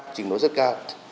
trình độ rất cao